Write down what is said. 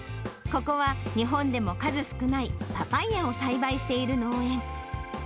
ここは日本でも数少ないパパイヤを栽培している農園。